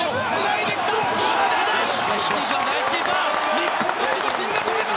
日本の守護神が止めた！